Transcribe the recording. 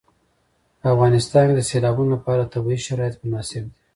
په افغانستان کې د سیلابونو لپاره طبیعي شرایط مناسب دي.